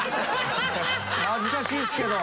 恥ずかしいですけど！